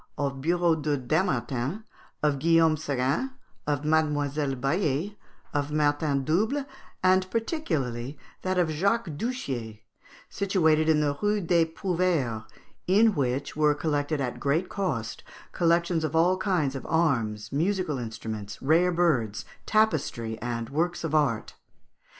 62), of Bureau de Dampmartin, of Guillaume Seguin, of Mille Baillet, of Martin Double, and particularly that of Jacques Duchié, situated in the Rue des Prouvaires, in which were collected at great cost collections of all kinds of arms, musical instruments, rare birds, tapestry, and works of art.